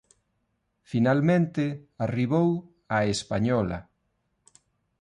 Finalmente arribou A Española.